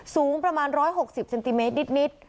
สูงประมาณร้อยหกสิบเซ็นติเมตรนิดนิด